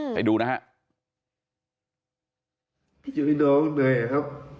ไปดูนะฮะ